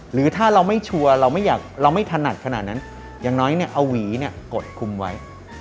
หรือถ้าเราไม่ชัวร์เราไม่ถนัดขนาดนั้นอย่างน้อยเนี่ยเอาหวีเนี่ยกดคุมไว้